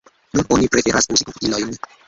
Nun oni preferas uzi komputilojn.